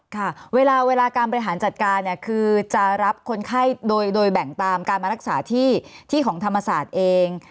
ค่ะเวลาการบริหารจัดการเนี่ยคือจะรับคนไข้โดยแบ่งตามการมารักษาที่ของธรรมศาสตร์เอง